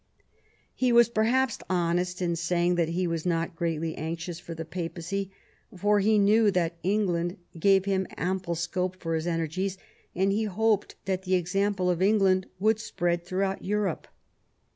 He was perhaps honest in saying that he was not greatly anxious for the Papacy ; for he knew that England gave him ample scope for his energies, and he hoped that the example of England would spread throughout Europe.